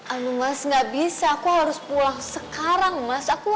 aduh mas ga bisa aku harus pulang sekarang mas